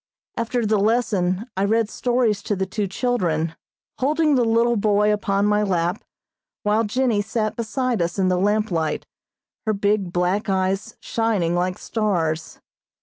After the lesson I read stories to the two children, holding the little boy upon my lap, while Jennie sat beside us in the lamplight, her big black eyes shining like stars.